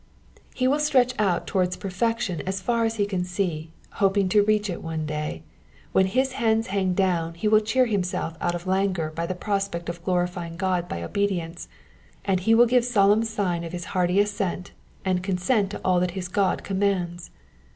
He will stretch out towards perfection as far as he can, hoping to reach it one day ; when his hands hang down he will cheer himself out of languor by the prospect of glorifying God by obedience ; and he will give solemn sign of his hearty assent and consent to all that his God commands.